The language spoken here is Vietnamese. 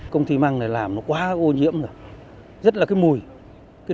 công ty măng này làm quá ô nhiễm rất là mùi